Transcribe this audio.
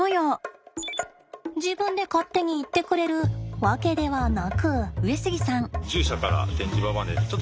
自分で勝手に行ってくれるわけではなく。